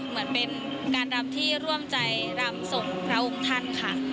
เหมือนเป็นการรำที่ร่วมใจรำส่งพระองค์ท่านค่ะ